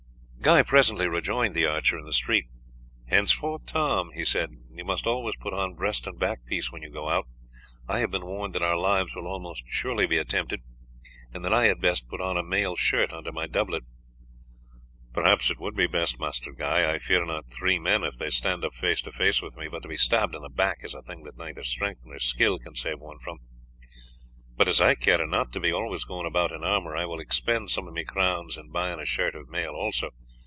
Guy presently rejoined the archer in the street. "Henceforth, Tom," he said, "you must always put on breast and back piece when you go out. I have been warned that our lives will almost surely be attempted, and that I had best put on a mail shirt under my doublet." "Perhaps it would be best, Master Guy. I fear not three men if they stand up face to face with me, but to be stabbed in the back is a thing that neither strength nor skill can save one from. But as I care not to be always going about in armour I will expend some of my crowns in buying a shirt of mail also.